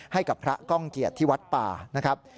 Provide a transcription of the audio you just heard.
ให้กับพระก้องเกียรติที่วัดป่านะครับ